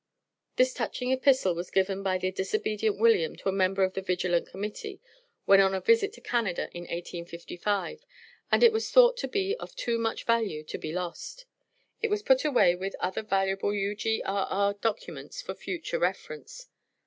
This touching epistle was given by the disobedient William to a member of the Vigilant Committee, when on a visit to Canada, in 1855, and it was thought to be of too much value to be lost. It was put away with other valuable U.G.R.R. documents for future reference.